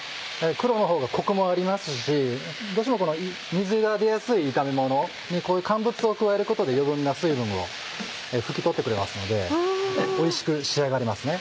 黒のほうがコクもありますしどうしても水が出やすい炒めものにこういう乾物を加えることで余分な水分を拭き取ってくれますのでおいしく仕上がりますね。